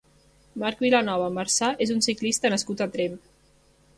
Marc Vilanova Marsà és un ciclista nascut a Tremp.